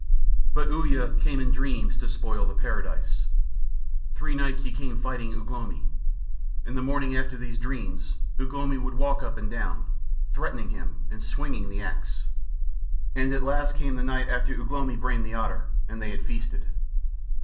But Uya came in dreams to spoil the paradise. Three nights he came fighting Ugh lomi. In the morning after these dreams Ugh lomi would walk up and down, threatening him and swinging the axe, and at last came the night after Ugh lomi brained the otter, and they had feasted.